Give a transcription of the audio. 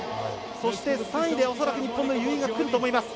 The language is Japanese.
そして、３位で恐らく日本の由井がくると思います。